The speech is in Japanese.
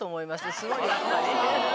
スゴいやっぱり。